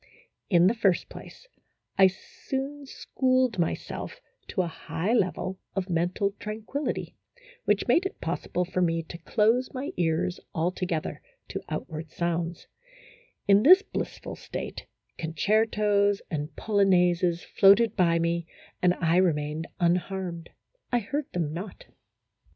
In the first place, I soon schooled myself to a high level of mental tranquillity, which made it pos sible for me to close my ears altogether to outward sounds; in this blissful state, concertos and polo naises floated by me, and I remained unharmed; I heard them not.